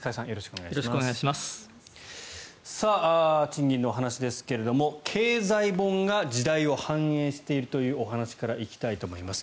賃金の話ですが経済本が時代を反映しているというお話から行きたいと思います。